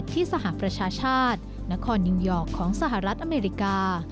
สหประชาชาตินครนิวยอร์กของสหรัฐอเมริกา